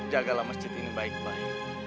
jagalah masjid ini baik baik